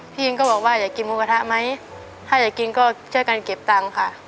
อินก็บอกว่าอยากกินหมูกระทะไหมถ้าอยากกินก็ช่วยกันเก็บตังค์ค่ะ